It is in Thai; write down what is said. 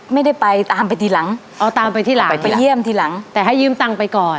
ไม่ได้ไปตามไปทีหลังเอาตามไปทีหลังไปเยี่ยมทีหลังแต่ให้ยืมตังค์ไปก่อน